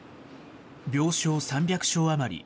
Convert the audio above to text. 病床３００床余り。